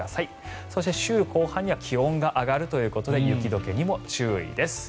そして、週後半には気温が上がるということで雪解けに注意です。